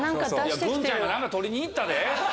グンちゃんが何か取りに行ったで。